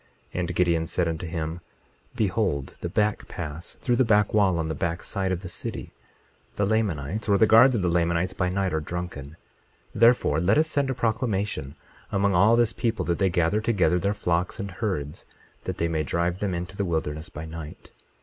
And Gideon said unto him: 22:6 Behold the back pass, through the back wall, on the back side of the city. The Lamanites, or the guards of the Lamanites, by night are drunken; therefore let us send a proclamation among all this people that they gather together their flocks and herds, that they may drive them into the wilderness by night.